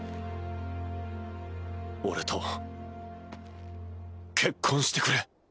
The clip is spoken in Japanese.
俺と結婚してくれ。